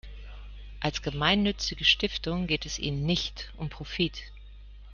Als gemeinnützige Stiftung geht es ihnen nicht um Profit.